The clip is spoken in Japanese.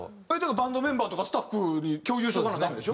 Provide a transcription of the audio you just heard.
バンドメンバーとかスタッフに共有しとかなダメでしょ？